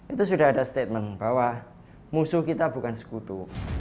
itu sudah ada statement bahwa musuh kita bukan sekutu